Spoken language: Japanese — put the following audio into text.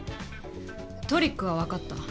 トリックはわかった。